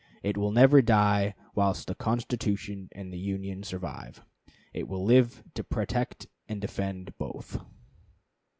It will never die whilst the Constitution and the Union survive. It will live to protect and defend both."